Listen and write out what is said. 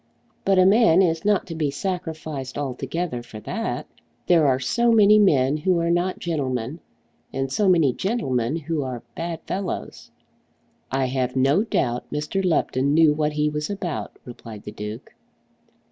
But a man is not to be sacrificed altogether for that. There are so many men who are not gentlemen, and so many gentlemen who are bad fellows." "I have no doubt Mr. Lupton knew what he was about," replied the Duke.